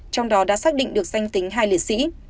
trong đó đã xác định được danh tính hai liệt sĩ